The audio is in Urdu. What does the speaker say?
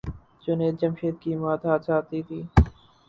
جنید جمشید کی موت حادثاتی تھی۔